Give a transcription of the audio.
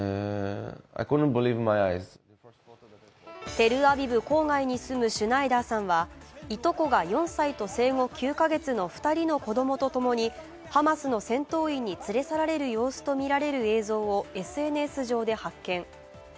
テルアビブ郊外に住むシュナイダーさんはいとこが４歳と生後９か月の子供２人と共にハマスの戦闘員に連れ去られる様子とみられる映像をＳＮＳ上で発見。